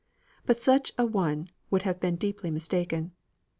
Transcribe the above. But such a one would have been deeply mistaken.